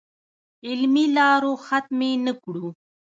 علمي لارو ختمې نه کړو.